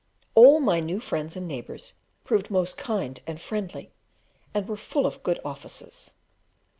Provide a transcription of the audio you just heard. All my new friends and neighbours proved most kind and friendly, and were full of good offices.